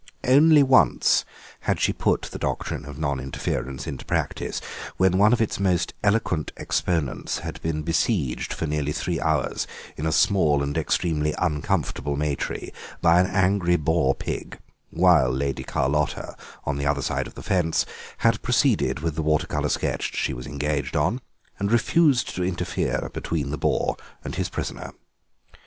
Only once had she put the doctrine of non interference into practice, when one of its most eloquent exponents had been besieged for nearly three hours in a small and extremely uncomfortable may tree by an angry boar pig, while Lady Carlotta, on the other side of the fence, had proceeded with the water colour sketch she was engaged on, and refused to interfere between the boar and his prisoner.